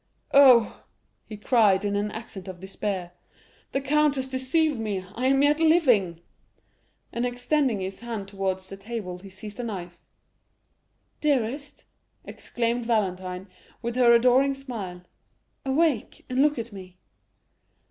"Oh," he cried, in an accent of despair, "the count has deceived me; I am yet living;" and extending his hand towards the table, he seized a knife. "Dearest," exclaimed Valentine, with her adorable smile, "awake, and look at me!"